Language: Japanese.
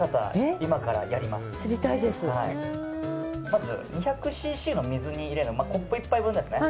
まず、２００ｃｃの水に入れるコップ１杯分ですね。